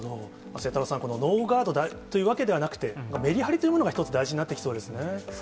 晴太郎さん、このノーガードというわけではなくて、メリハリというものが１つそうですね。